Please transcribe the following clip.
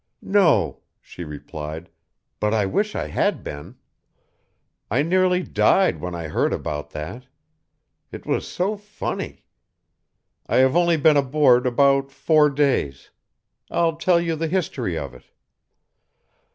"No," she replied, "but I wish I had been. I nearly died when I heard about that; it was so funny. I have only been aboard about four days. I'll tell you the history of it.